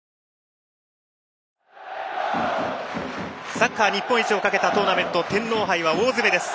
サッカー日本一をかけたトーナメント天皇杯は大詰めです。